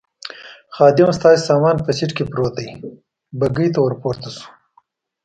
خادم: ستاسې سامان په سېټ کې پروت دی، بګۍ ته ور پورته شوو.